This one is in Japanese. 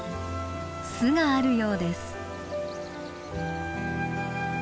巣があるようです。